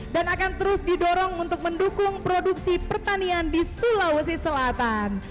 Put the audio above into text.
dan akan terus didorong untuk mendukung produksi pertanian di sulawesi selatan